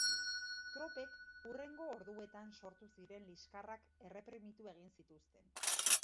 Tropek hurrengo orduetan sortu ziren liskarrak erreprimitu egin zituzten.